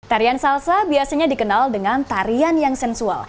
tarian salsa biasanya dikenal dengan tarian yang sensual